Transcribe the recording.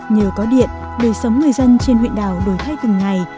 nhờ có điện đời sống người dân trên huyện đảo đổi thay từng ngày